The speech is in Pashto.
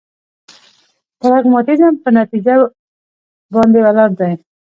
پراګماتيزم په نتيجه باندې ولاړ دی.